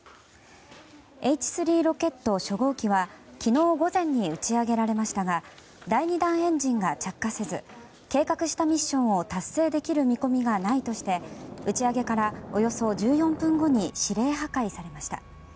Ｈ３ロケット初号機は昨日午前に打ち上げられましたが第２段エンジンが着火せず計画したミッションを達成できる見込みがないとして打ち上げからおよそ１４分後に指令破壊されました。